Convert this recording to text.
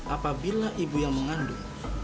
apabila ibu yang mengandung